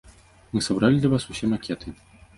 Мы сабралі для вас усе макеты.